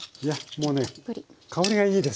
もうね香りがいいですよ。